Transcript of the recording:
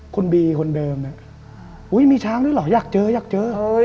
คุณบีคนเดิมเนี่ยอุ้ยมีช้างด้วยเหรออยากเจออยากเจอ